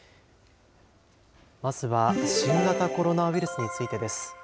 まずは新型コロナウイルスについてです。